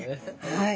はい。